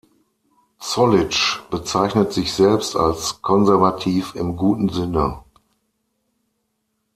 Zollitsch bezeichnet sich selbst als „konservativ im guten Sinne“.